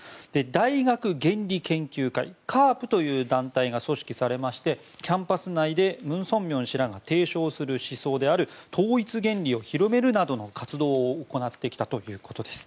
大学原理研究会・ＣＡＲＰという団体が組織されましてキャンパス内で文鮮明氏らが提唱する思想である統一原理を広げるなどの活動を行ってきたということです。